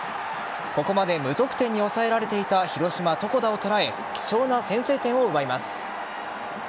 ここまで無得点に抑えられていた広島・床田を捉え貴重な先制点を奪います。